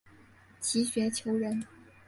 齐学裘人。